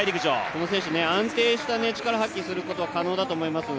この選手、安定した力を発揮することは可能だと思います。